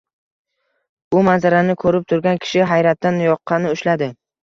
Bu manzarani koʻrib turgan kishi hayratdan yoqasini ushladi